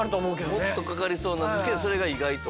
もっとかかりそうなんですけどそれが意外と。